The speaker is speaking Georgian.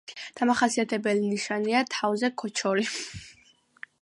დამახასიათებელი ნიშანია თავზე ქოჩორი.